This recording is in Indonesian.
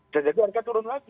dan jadi harga turun lagi